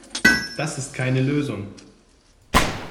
Das ist keine Lösung!